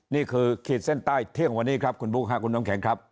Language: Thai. ขีดเส้นใต้เที่ยงวันนี้ครับคุณบุ๊คค่ะคุณน้ำแข็งครับ